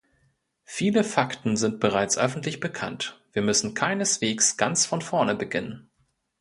Viele Fakten sind bereits öffentlich bekannt, wir müssen keineswegs ganz von vorne beginnen.